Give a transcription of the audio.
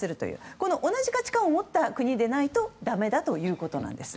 この同じ価値観を持った国でないとだめだということなんです。